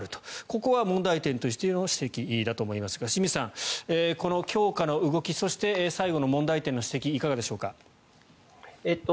ここは問題点としての指摘だと思いますが清水さん、この強化の動きそして最後の問題点の指摘いかがでしょうか。